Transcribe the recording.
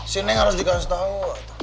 sini yang harus dikasih tau